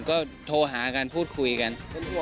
ก็โทรหากันพูดคุยกัน